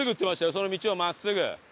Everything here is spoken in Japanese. その道を真っすぐ。